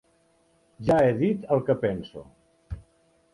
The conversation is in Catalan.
Ja he dit el que penso.